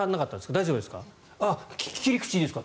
大丈夫ですか？